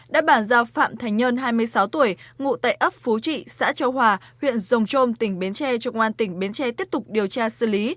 đã bản giao phạm thành nhân hai mươi sáu tuổi ngụ tại ấp phú trị xã châu hòa huyện rồng trôm tỉnh bến tre cho quan tỉnh bến tre tiếp tục điều tra xử lý